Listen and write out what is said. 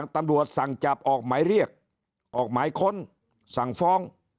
ตำรวจสั่งจับออกหมายเรียกออกหมายค้นสั่งฟ้อง